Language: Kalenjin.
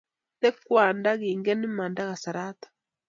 Tekwong' nda kinge imanda kasaratak.